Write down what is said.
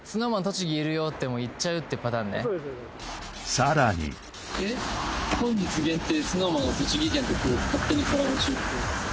さらに「本日限定！